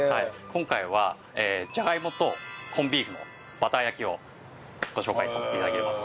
今回はジャガイモとコンビーフのバター焼きをご紹介させて頂ければと。